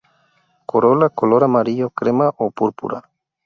Corola color amarillo, crema o púrpura.